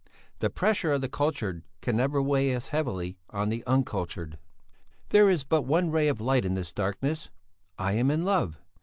The pressure of the cultured can never weigh as heavily on the uncultured. "There is but one ray of light in this darkness: I am in love.